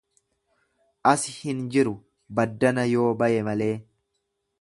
Asi hin jiru baddana yoo baye malee.